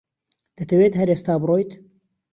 دەتەوێت هەر ئێستا بڕۆیت؟